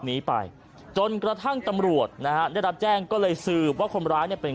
นี้ไปจนกระทั่งตำรวจนะฮะได้รับแจ้งก็เลยสืบว่าคนร้ายเนี่ยเป็น